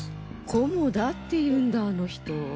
コモダっていうんだあの人。